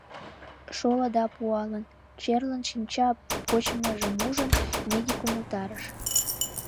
Шолыда пуалын, — черлын шинча почмыжым ужын, медик умылтарыш.